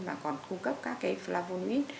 mà còn cung cấp các cái flavonoid